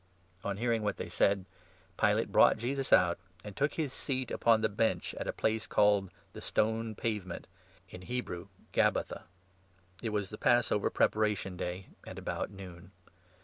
" On hearing what they said, Pilate brought Jesus out, and 13 took his seat upon the Bench at a place called 'The Stone Pavement' — in Hebrew 'Gabbatha.' It was the Passover 14 Preparation Day, and about noon.